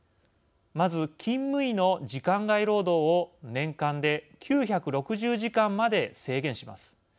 まず、勤務医の時間外労働を年間で９６０時間まで制限します。